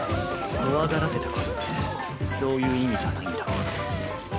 怖がらせてこいってそういう意味じゃないんだけどな。